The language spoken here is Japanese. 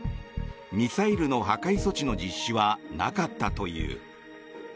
ミサイルの破壊措置の実施はなかったという。